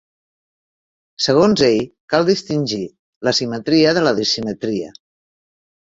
Segons ell, cal distingir l'asimetria de la dissimetria.